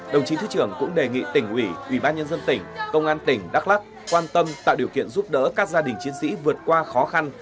đồng chí thứ trưởng cũng đề nghị tỉnh ủy ủy ban nhân dân tỉnh công an tỉnh đắk lắc quan tâm tạo điều kiện giúp đỡ các gia đình chiến sĩ vượt qua khó khăn